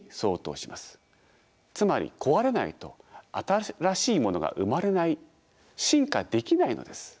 つまり壊れないと新しいものが生まれない進化できないのです。